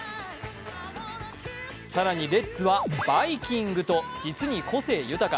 更にレッズはバイキングと実に個性豊か。